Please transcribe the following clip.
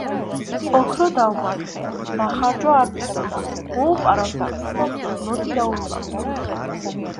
ოქრო დავმარხე, დახარჯვა არ მინდოდა. მოუპარავთ და მის ნაცვლად ლოდი დაუფლავთო.